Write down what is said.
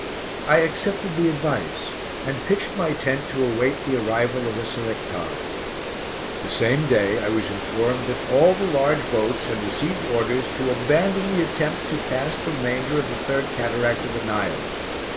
I accepted the advice, and pitched my tent to await the arrival of the Selictar. The same day I was informed that all the large boats had received orders to abandon the attempt to pass the remainder of the third cataract of the Nile.